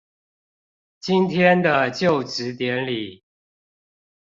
今天的就職典禮